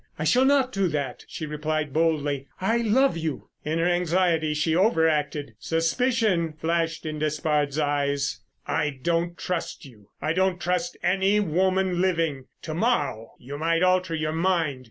"I shall not do that," she replied boldly. "I love you." In her anxiety she over acted. Suspicion flashed in Despard's eyes. "I don't trust you; I don't trust any woman living. To morrow you might alter your mind.